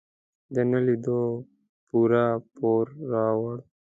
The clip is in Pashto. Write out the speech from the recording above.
د نه لیدو پوره پور راوړ.